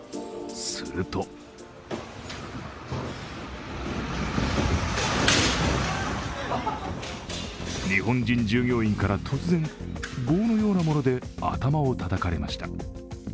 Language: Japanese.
すると日本人従業員から突然、棒のようなもので頭をたたかれました。